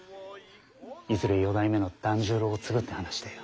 いずれ四代目の團十郎を継ぐって話だよ。